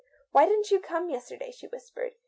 "Why didn't you come yesterday," she whispered.